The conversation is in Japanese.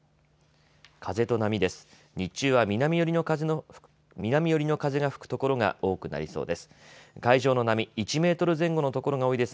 風と波です。